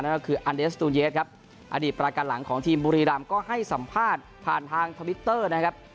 นั่นก็คืออันเดสตูนเยสครับอดีตประกันหลังของทีมบุรีรำก็ให้สัมภาษณ์ผ่านทางทวิตเตอร์นะครับ